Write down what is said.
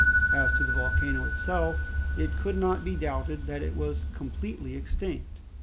As to the volcano itself, it could not be doubted that it was completely extinct.